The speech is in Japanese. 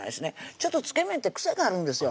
ちょっとつけ麺って癖があるんですよ